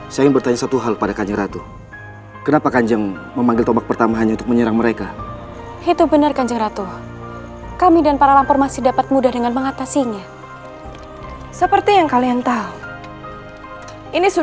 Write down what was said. sejak perang besar dua belas tahun yang lalu